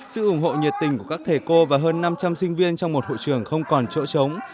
sự ủng hộ nhiệt tình của các thầy cô và hơn năm trăm linh sinh viên trong một hội trường không còn chỗ trống